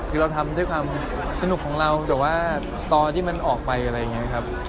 คือเราทำด้วยความสนุกของเราแต่ว่าตอนที่มันออกไปอะไรอย่างนี้ครับ